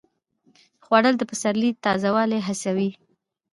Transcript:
خوړل د پسرلي تازه والی حسوي